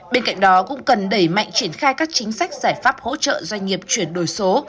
bên cạnh đó cũng cần đẩy mạnh triển khai các chính sách giải pháp hỗ trợ doanh nghiệp chuyển đổi số